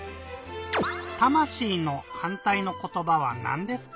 「たましい」のはんたいのことばはなんですか？